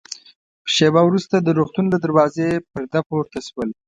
شېبه وروسته د روغتون له دروازې پرده پورته شول.